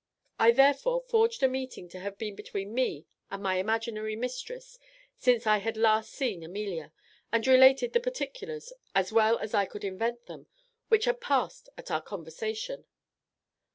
"I therefore forged a meeting to have been between me and my imaginary mistress since I had last seen Amelia, and related the particulars, as well as I could invent them, which had passed at our conversation.